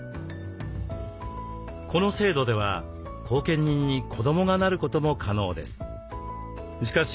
この制度では後見人に子どもがなることも可能です。